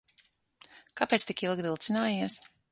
Kāpēc tik ilgi vilcinājies?